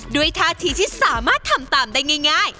ท่าทีที่สามารถทำตามได้ง่าย